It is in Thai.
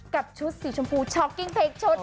กับชุดสีชมพูช็อกกิ้งเพลงชุด